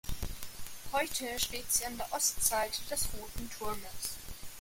Heute steht sie an der Ostseite des Roten Turmes.